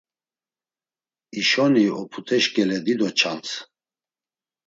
İşoni oput̆eş k̆ele dido çans.